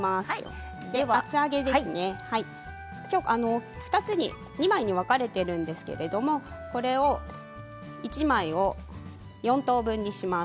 厚揚げは２枚に分かれているんですけれどもこれ、１枚を４等分にします。